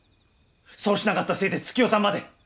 そうしなかったせいで月代さんまで！